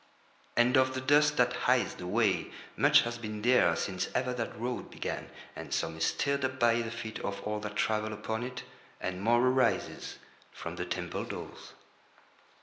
And of the dust that hides the way much has been there since ever that road began, and some is stirred up by the feet of all that travel upon it, and more arises from the temple doors.